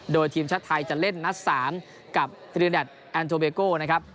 โดยทีมชาวไทยจะเล่นนัคนศรีและเตรียรแดดแอนโทบเลโก้นะครับ